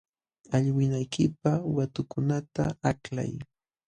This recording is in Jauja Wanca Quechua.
Allwinaykipaq watukunata aklay.